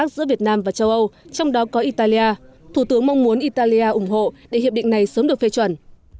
giữa việt nam và châu âu trong đó có italia thủ tướng mong muốn italia ủng hộ để hiệp định này sớm được phê chuẩn